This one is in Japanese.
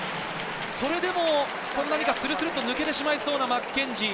それでも何かスルスルっと抜けてしまいそうな、マッケンジー。